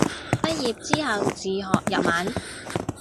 畢業之後自學日文